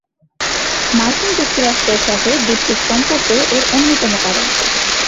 মার্কিন যুক্তরাষ্ট্রের সাথে দ্বীপটির সম্পর্ক এর অন্যতম কারণ।